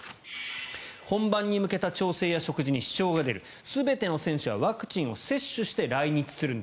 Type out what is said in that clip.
本番に向けた調整や食事に支障が出る全ての選手はワクチンを接種して来日するんだ。